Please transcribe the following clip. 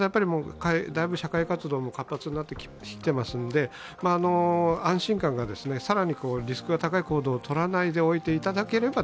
社会活動も活発になってきてますんで更にリスクが高い行動をとらないでおいていただければ、